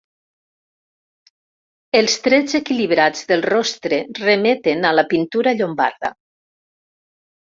Els trets equilibrats del rostre remeten a la pintura llombarda.